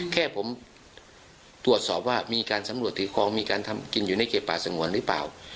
แค่ผมตรวจสอบว่ามีการสำรวจถือคลองมีการทำกินอยู่ในเขตป่าสงวนหรือเปล่า